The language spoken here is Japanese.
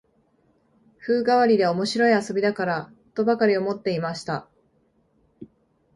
風変わりで面白い遊びだから、とばかり思っていました